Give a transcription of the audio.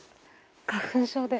花粉症で。